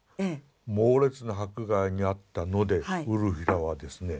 猛烈な迫害に遭ったのでウルフィラはですね